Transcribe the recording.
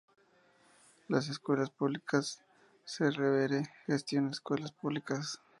Las Escuelas Públicas de Revere gestiona escuelas públicas.